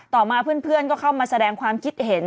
ต่อมาเพื่อนก็เข้ามาแสดงความคิดเห็น